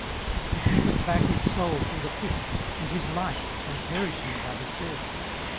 18:033:018 He keepeth back his soul from the pit, and his life from perishing by the sword.